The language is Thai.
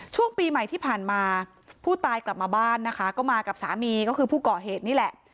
ช่วงปีใหม่ที่ผ่านมาผู้ตายกลับมาบ้านนะคะก็มากับสามีก็คือผู้ก่อเหตุนี่แหละ